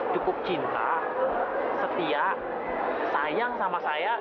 cukup cinta setia sayang sama saya